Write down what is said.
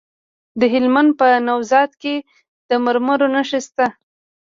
د هلمند په نوزاد کې د مرمرو نښې شته.